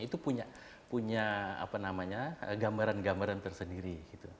itu punya gambaran gambaran tersendiri